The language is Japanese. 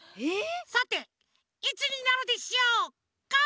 さていつになるでしょうか？